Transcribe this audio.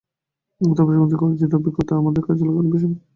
তবে প্রশিক্ষণ থেকে অর্জিত অভিজ্ঞতা বেশ কাজে দেবেন বলে বিশ্বাস করেন তিনি।